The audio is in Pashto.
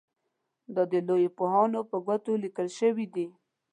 دا د لویو پوهانو په ګوتو لیکل شوي دي.